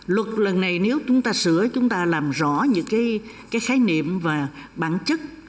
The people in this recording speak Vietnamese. luật lần này nếu chúng ta sửa chúng ta làm rõ những cái khái niệm và bản chất